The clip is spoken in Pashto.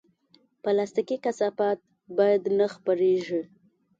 پلاستيکي کثافات باید نه خپرېږي.